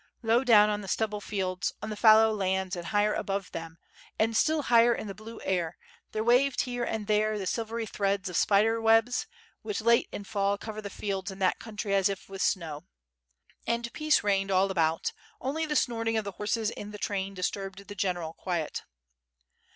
Low down on the stubble fields, on the fallow lands and higher above them, and still higher in the blue air, there waved here and there the silvery threads of spider's webs, which late in the fall cover the fields in that country as if with snow. And peace reigned all about, only the snorting of the horses in the train disturbed the general quiet.